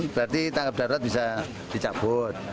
berarti tanggap darurat bisa dicabut